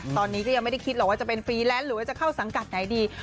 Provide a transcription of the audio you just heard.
ตอนนี้ก็ยังไม่ได้คิดหรอกว่าจะเป็นฟรีแลนซ์หรือว่าจะเข้าสังกัดไหนดี